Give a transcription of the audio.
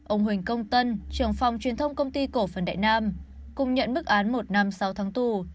ông huỳnh công tân trưởng phòng truyền thông công ty cổ phần đại nam cùng nhận bức án một năm sau tháng tù